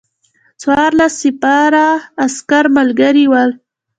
څوارلس سپاره عسکر ملګري ول.